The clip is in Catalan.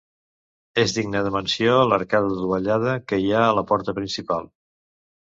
És digne de menció l'arcada dovellada que hi ha a la porta principal.